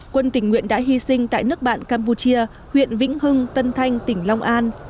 quân tỉnh nguyện đã hy sinh tại nước bạn campuchia huyện vĩnh hưng tân thanh tỉnh long an